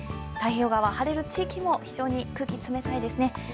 太平洋側、晴れる地域も非常に空気が冷たいですね。